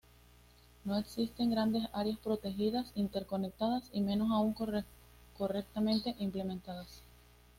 No existen grandes áreas protegidas interconectadas y menos aún correctamente implementadas.